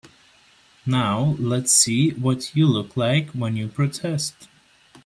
Now let's see what you look like when you protest.